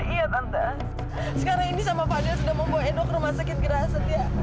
iya tante sekarang ini sama fadhil sudah membawa edo ke rumah sakit gerah aset ya